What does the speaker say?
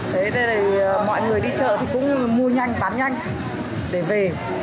thế nên mọi người đi chợ thì cũng mua nhanh bán nhanh để về